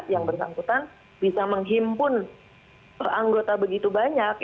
yang bersangkutan bisa menghimpun anggota begitu banyak